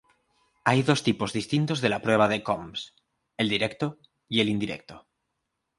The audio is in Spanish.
Hay dos tipos distintos de la prueba de Coombs: el directo y el indirecto.